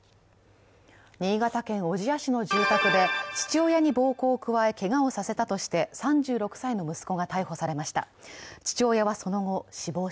新潟県小千谷市の住宅で父親に暴行を加えけがをさせたとして３６歳の息子が逮捕されました。